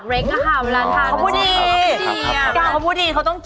กรอบครับนี่กรอบมาก